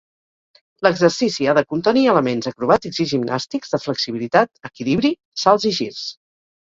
L'exercici ha de contenir elements acrobàtics i gimnàstics de flexibilitat, equilibri, salts i girs.